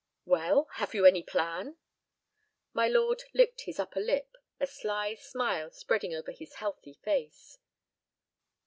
"Well, have you any plan?" My lord licked his upper lip, a sly smile spreading over his healthy face.